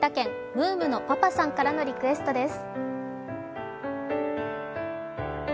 ムームのパパさんからのリクエストです